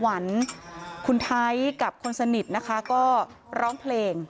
วันคุณไทยกับคนสนิทนะคะก็ร้องเพลง